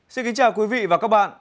xin kính chào quý vị và các bạn